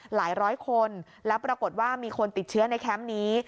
หลายร้อยคนแล้วปรากฏว่ามีคนติดเชื้อในแคมป์นี้